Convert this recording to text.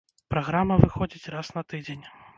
Праграма выходзіць раз на тыдзень.